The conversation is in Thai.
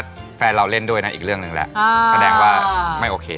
ถ้าแฟนเราเล่นด้วยนะอีกเรื่องหนึ่งแล้วแสดงว่าไม่โอเค